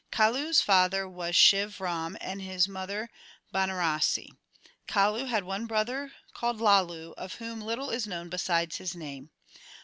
Kalu s father was Shiv Ram and his mother Banarasi. Kalu had one brother called Lalu, of whom little is known besides his name.